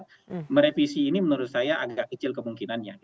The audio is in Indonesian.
karena merevisi ini menurut saya agak kecil kemungkinannya